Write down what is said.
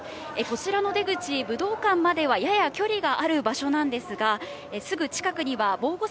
こちらの出口、武道館まではやや距離がある場所なんですが、すぐ近くには防護柵